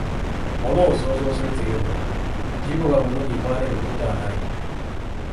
物を創造するというのは、自己が物に奪われることではない。